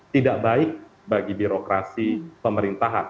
tidak baik bagi birokrasi pemerintahan